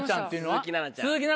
鈴木奈々ちゃん。